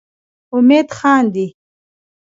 امید خاندي.